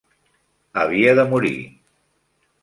Havia de morir.